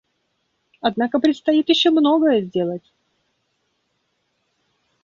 Однако предстоит еще многое сделать.